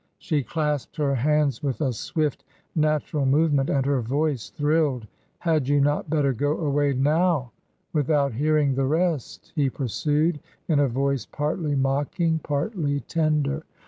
She clasped her hands with a swift, natural move ment and her voice thrilled. " Had you not better go away now without hearing the rest ?" he pursued, in a voice partly mocking, partly tender.